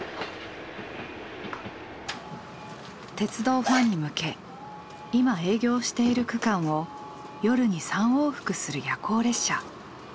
鉄道ファンに向け今営業している区間を夜に３往復する夜行列車。